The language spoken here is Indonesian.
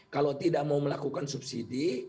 kalau tidak mau melakukan subsidi